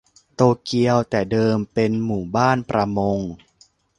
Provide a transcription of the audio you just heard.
โตเกียวแต่เดิมเป็นหมู่บ้านประมง